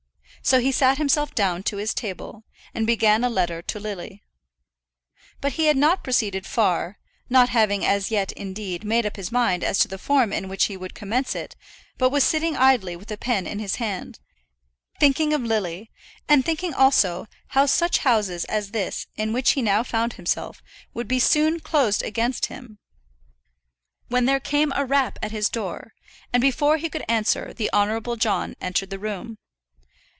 So he sat himself down to his table, and began a letter to Lily. But he had not proceeded far, not having as yet indeed made up his mind as to the form in which he would commence it, but was sitting idly with the pen in his hand, thinking of Lily, and thinking also how such houses as this in which he now found himself would be soon closed against him, when there came a rap at his door, and before he could answer the Honourable John entered the room.